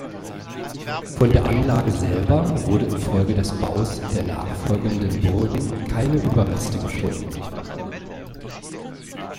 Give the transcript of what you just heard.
Von der Anlage selber wurde infolge des Baus der nachfolgenden Burgen keine Überreste gefunden.